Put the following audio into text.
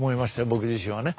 僕自身はね。